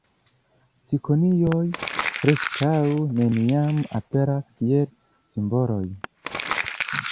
Cikonioj preskaŭ neniam aperas kiel simboloj.